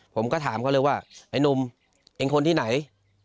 ผมก็ถามเขาเลยว่าไอ้หนุ่มเองคนที่ไหน